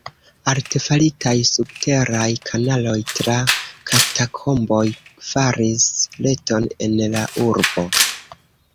Artefaritaj subteraj kanaloj tra katakomboj faris reton en la urbo.